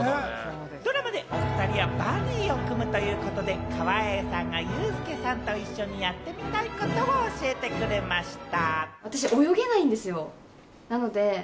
ドラマでおふたりはバディを組むということで、川栄さんがユースケさんと一緒にやってみたいことを教えてくれました。